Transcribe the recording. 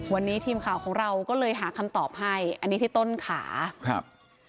วันนี้ทีมข่าวของเราก็เลยหาคำตอบให้อันนี้ที่ต้นขาครับ